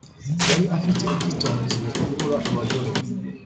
Yari afite ubwitonzi bukurura abagore